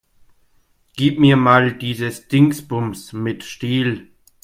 Gib mir mal dieses Dingsbums mit Stiel.